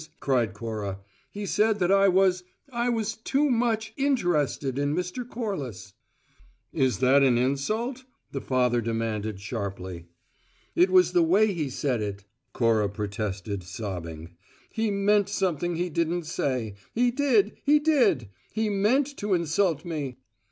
cried Cora. "He said that I was I was too much `interested' in Mr. Corliss." "Is that an `insult'?" the father demanded sharply. "It was the way he said it," Cora protested, sobbing. "He meant something he didn't say. He did! He did! He meant to insult me!"